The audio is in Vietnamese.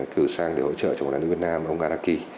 cử sang để hỗ trợ cho bóng đá nữ việt nam ông garaki